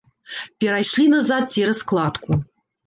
Перайшлі назад цераз кладку.